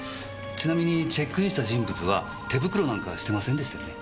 ちなみにチェックインした人物は手袋なんかしてませんでしたよね？